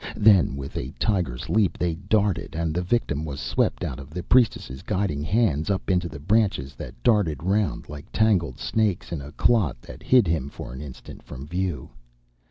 Then with a tiger's leap they darted, and the victim was swept out of the priestess' guiding hands up into the branches that darted round like tangled snakes in a clot that hid him for an instant from view.